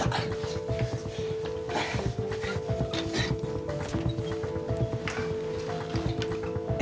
kayak youtube lo dakit ya